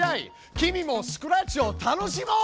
君もスクラッチを楽しもう！